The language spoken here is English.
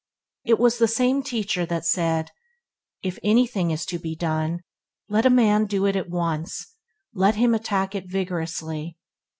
It was the same Teacher that said: "If anything is to be done, let a man do it at once; let him attack it vigorously!"